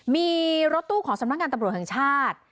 มีรถตู้ของสำนักงานตำรวจแห่งชาติ